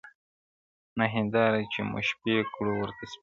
نه « هینداره » چي مو شپې کړو ورته سپیني -